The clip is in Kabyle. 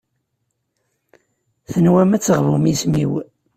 Tenwam ad teɣbum isem-iw.